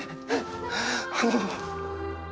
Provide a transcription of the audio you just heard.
あの。